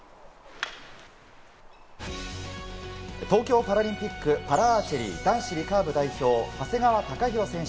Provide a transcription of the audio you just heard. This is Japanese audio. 東京パラリンピック・パラアーチェリー男子リカーブ代表、長谷川貴大選手